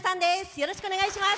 よろしくお願いします。